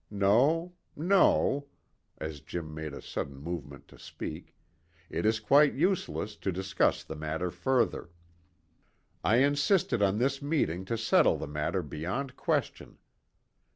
No, no," as Jim made a sudden movement to speak, "it is quite useless to discuss the matter further. I insisted on this meeting to settle the matter beyond question.